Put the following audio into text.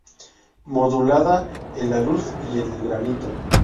Modulada en la luz y el granito.